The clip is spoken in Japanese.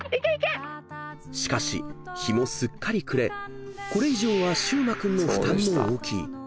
［しかし日もすっかり暮れこれ以上は柊真君の負担も大きい］